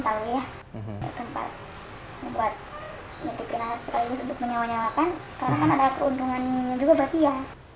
karena kan ada keuntungannya juga berarti ya